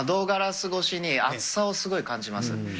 ガラス越しに熱さをすごい感じます。